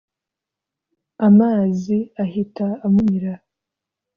amazi ahita amumira